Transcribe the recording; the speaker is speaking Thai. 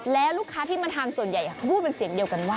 แล้วลูกค้าที่มาทานส่วนใหญ่เขาพูดเป็นเสียงเดียวกันว่า